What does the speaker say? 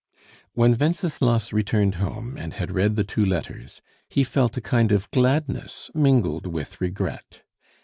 When Wenceslas returned home and had read the two letters, he felt a kind of gladness mingled with regret.